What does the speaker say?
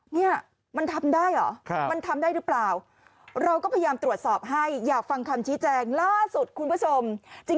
เนี่ยมันทำได้เหรอมันทำได้หรือเปล่าเราก็พยายามตรวจสอบให้อยากฟังคำชี้แจงล่าสุดคุณผู้ชม